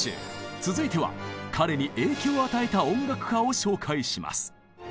続いては彼に影響を与えた音楽家を紹介します。